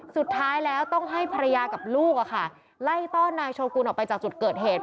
สุดท้ายแล้วต้องให้ภรรยากับลูกไล่ต้อนนายโชกุลออกไปจากจุดเกิดเหตุ